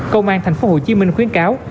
công an thành phố hồ chí minh khuyến cáo